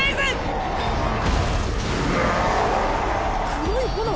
黒い炎⁉